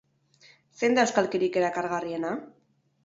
Zein da euskalkirik erakargarriena?